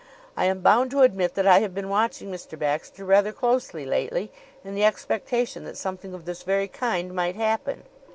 I am bound to admit that I have been watching Mr. Baxter rather closely lately in the expectation that something of this very kind might happen.